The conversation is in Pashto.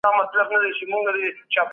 چا به نه وي